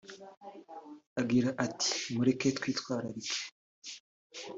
Agira ati “Mureke twitwararike